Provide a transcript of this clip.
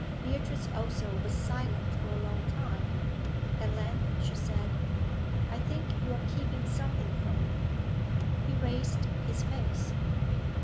Beatrice also was silent for a long time. At length she said 'I think you are keeping something from me?' He raised his face.